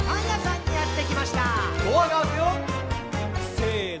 せの。